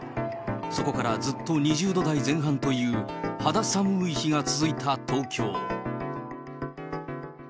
そこからずっと２０度台前半という、肌寒い日が続いた東京。